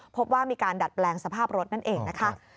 พบว่ามีการดัดแปลงสภาพรถนั่นเองนะคะ